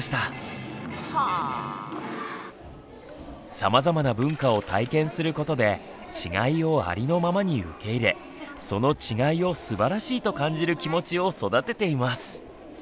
さまざまな文化を体験することで違いをありのままに受け入れその違いをすばらしいと感じる気持ちを育てています。